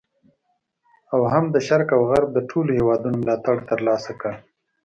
او هم د شرق او غرب د ټولو هیوادونو ملاتړ تر لاسه کړ.